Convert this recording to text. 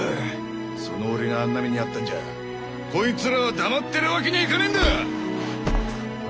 その俺があんな目に遭ったんじゃこいつらは黙ってるわけにはいかねえんだ！